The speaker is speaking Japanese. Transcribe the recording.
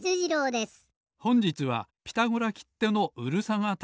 ほんじつは「ピタゴラ」きってのうるさがた